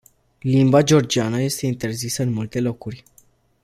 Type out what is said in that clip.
Limba georgiană este interzisă în multe locuri.